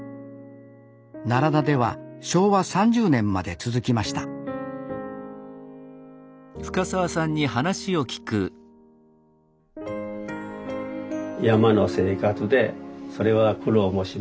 奈良田では昭和３０年まで続きました山の生活でそれは苦労もしました。